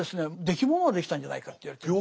できものができたんじゃないかといわれてるんです。